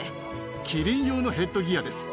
キリン用のヘッドギアです。